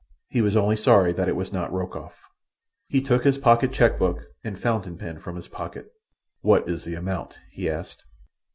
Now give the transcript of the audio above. He was only sorry that it was not Rokoff. He took his pocket cheque book and fountain pen from his pocket. "What is the amount?" he asked.